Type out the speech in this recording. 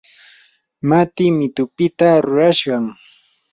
matii mitupita rurashqam.